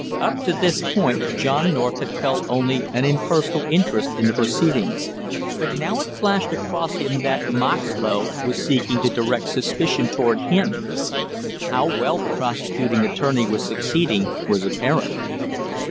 Up to this point John North had felt only an impersonal interest in the proceedings, but now it flashed across him that Moxlow was seeking to direct suspicion toward him. How well the prosecuting attorney was succeeding was apparent.